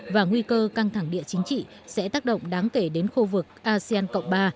và nguy cơ căng thẳng địa chính trị sẽ tác động đáng kể đến khu vực asean cộng ba